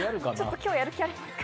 今日、やる気ありますか？